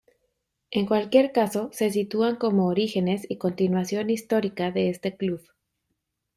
En cualquier caso, se sitúan como orígenes y continuación histórica de este club.